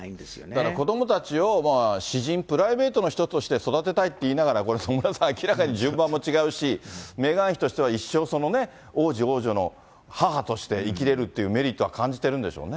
だから、子どもたちを私人、プライベートの人として育てたいっていいながら、これ、野村さん、明らかに順番も違うし、メーガン妃としては一生ね、王子、王女の母として生きれるっていうメリットは感じてるんでしょうね。